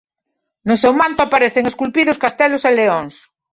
No seu manto aparecen esculpidos castelos e leóns.